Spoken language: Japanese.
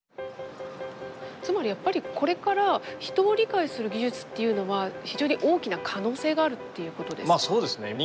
つまりやっぱりこれから人を理解する技術っていうのは非常に大きな可能性があるっていうことですか？